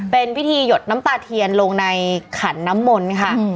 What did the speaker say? เป็นพิธีหยดน้ำตาเทียนลงในขันน้ำมนต์ค่ะ